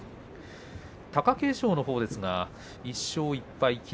貴景勝のほうですが１勝１敗です。